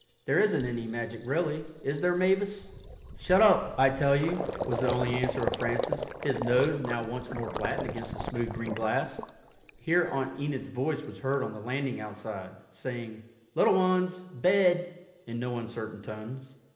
There isn't any magic really, is there, Mavis?" "Shut up, I tell you," was the only answer of Francis, his nose now once more flattened against the smooth green glass. Here Aunt Enid's voice was heard on the landing outside, saying, "Little ones—bed," in no uncertain tones.